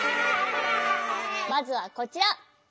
まずはこちら。